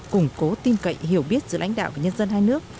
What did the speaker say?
củng cố tin cậy hiểu biết giữa lãnh đạo và nhân dân hai nước